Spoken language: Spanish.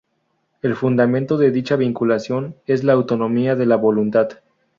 El fundamento de dicha vinculación es la autonomía de la voluntad.